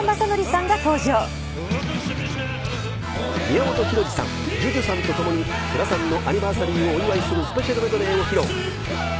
ＪＵＪＵさんと共に世良さんのアニバーサリーをお祝いするスペシャルメドレーを披露。